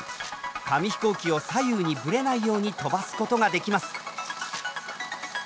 紙飛行機を左右にぶれないように飛ばすことができます。